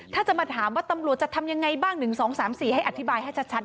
ถ้าจะมาถามว่าตำรวจจะทำยังไงบ้าง๑๒๓๔ให้อธิบายให้ชัด